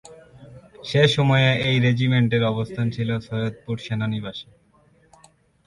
সে সময়ে এই রেজিমেন্টের অবস্থান ছিল সৈয়দপুর সেনানিবাসে।